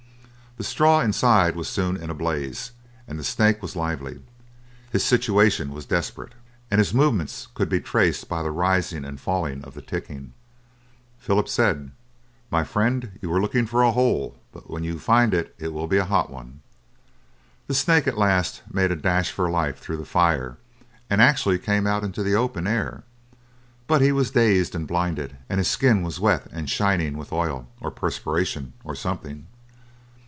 The straw inside was soon in a blaze, and the snake was lively. His situation was desperate, and his movements could be traced by the rising and falling of the ticking. Philip said, "My friend, you are looking for a hole, but when you find it it will be a hot one." The snake at last made a dash for life through the fire, and actually came out into the open air. But he was dazed and blinded, and his skin was wet and shining with oil, or perspiration, or something.